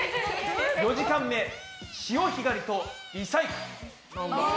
４時間目「潮干狩りとリサイクル」。